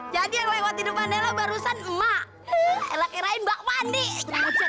jadi lewat ini malam barusan emang enak kirain mbak mandi chef kamu ya waduh biar